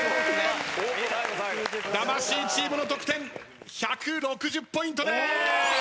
魂チームの得点１６０ポイントです！